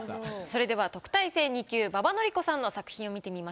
それでは特待生２級馬場典子さんの作品を見てみましょう。